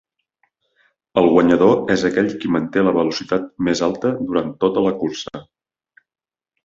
El guanyador és aquell qui manté la velocitat més alta durant tota la cursa.